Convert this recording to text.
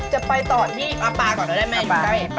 จะไปต่อนี่เอาปลาก่อนนะแม่อยู่ใกล้